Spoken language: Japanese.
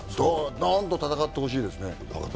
ドーンと戦ってほしいですね。